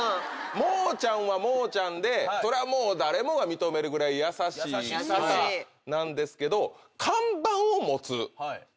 もうちゃんはもうちゃんでこれは誰もが認めるぐらい優しい方なんですけど。